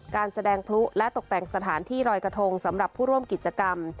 การแสดงพลุและตกแต่งสถานที่รอยกระทงสำหรับผู้ร่วมกิจกรรม